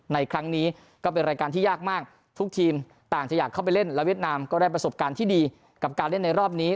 ในครั้งนี้ก็เป็นรายการที่ยากมากทุกทีมต่างจะอยากเข้าไปเล่นและเวียดนามก็ได้ประสบการณ์ที่ดีกับการเล่นในรอบนี้